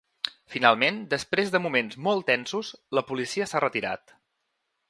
Finalment, després de moments molt tensos, la policia s’ha retirat.